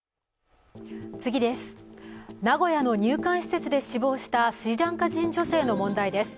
名古屋の入管施設で死亡したスリランカ人女性の問題です。